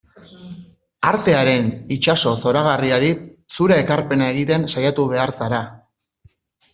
Artearen itsaso zoragarriari zure ekarpena egiten saiatu behar zara.